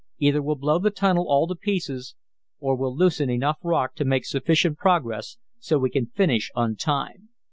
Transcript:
Either we'll blow the tunnel all to pieces, or we'll loosen enough rock to make sufficient progress so we can finish on time.